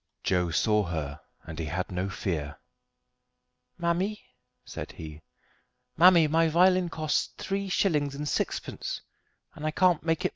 Joe saw her, and he had no fear. "Mammy!" said he, "mammy, my violin cost three shillings and sixpence, and I can't make it play no ways."